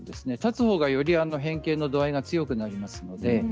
立つほうがより変形の度合いが強くなります。